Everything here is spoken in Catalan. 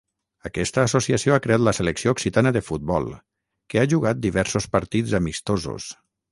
Aquesta associació ha creat la selecció occitana de futbol, que ha jugat diversos partits amistosos.